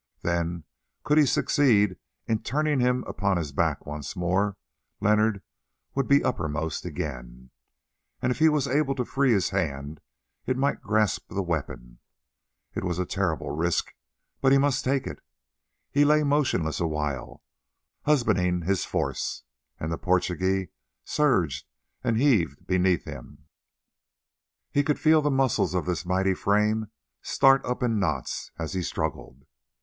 Then, could he succeed in turning him upon his back once more, Leonard would be uppermost again, and if he was able to free his hand it might grasp the weapon. It was a terrible risk, but he must take it. He lay motionless awhile, husbanding his force, and the Portugee surged and heaved beneath him; he could feel the muscles of his mighty frame start up in knots as he struggled.